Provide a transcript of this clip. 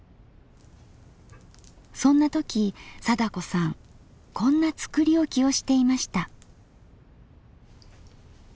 そんな時貞子さんこんな作り置きをしていました。